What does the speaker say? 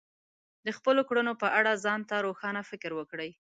د خپلو کړنو په اړه ځان ته روښانه فکر وکړئ.